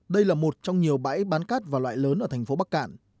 đây là một trong nhiều bãi bán cát và loại lớn ở thành phố bắc cạn